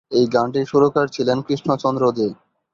এই গানটির সুরকার ছিলেন কৃষ্ণচন্দ্র দে।